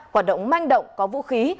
hoạt động manh động có vũ khí